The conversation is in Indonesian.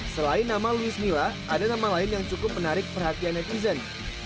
selain nama louis mila ada nama lain yang cukup menarik perhatian netizen